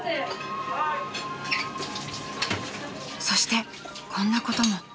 ［そしてこんなことも］